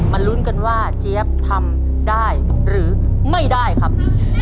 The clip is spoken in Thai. ลุ้นกันว่าเจี๊ยบทำได้หรือไม่ได้ครับ